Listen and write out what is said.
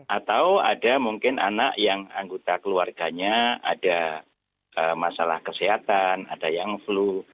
atau ada mungkin anak yang anggota keluarganya ada masalah kesehatan ada yang flu